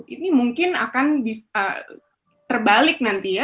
ini mungkin akan terbalik nanti ya